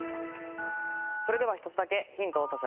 それでは１つだけヒントを差し上げます。